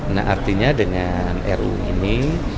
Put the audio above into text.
nah artinya dengan ru ini